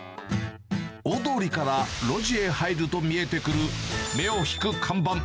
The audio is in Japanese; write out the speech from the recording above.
大通りから路地へ入ると見えてくる目を引く看板。